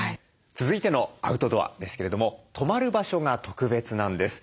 続いてのアウトドアですけれども泊まる場所が特別なんです。